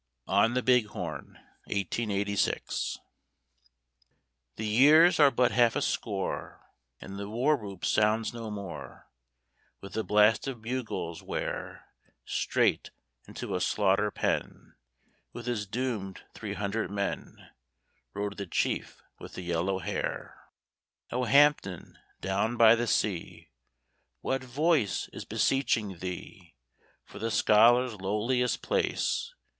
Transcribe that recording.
ON THE BIG HORN The years are but half a score, And the war whoop sounds no more With the blast of bugles, where Straight into a slaughter pen, With his doomed three hundred men, Rode the chief with the yellow hair. O Hampton, down by the sea! What voice is beseeching thee For the scholar's lowliest place?